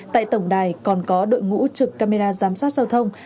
tại tổng đài còn có đội ngũ trực camera giám sát giao thông